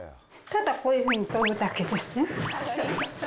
ただ、こういうふうに跳ぶだけですね。